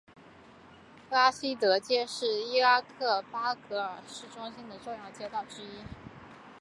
拉希德街是伊拉克巴格达市中心的重要街道之一。